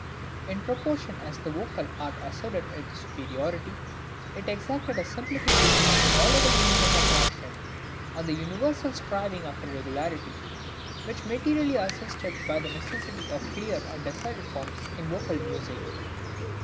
In proportion as the vocal art asserted its superiority, it exacted a simplification of all other means of attraction, and the universal striving after regularity was materially assisted by the necessity for clear and decided forms in vocal music.